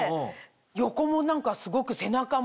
横もすごく背中も。